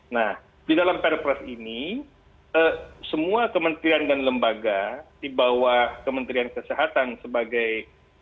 nah di dalam perpres ini semua kementerian dan lembaga dibawa kementerian kesehatan sebagai